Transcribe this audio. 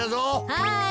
はい。